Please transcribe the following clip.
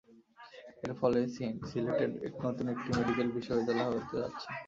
এর ফলে সিলেটে নতুন একটি মেডিকেল বিশ্ববিদ্যালয় হতে যাচ্ছে।